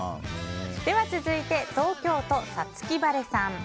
続いて、東京都の方。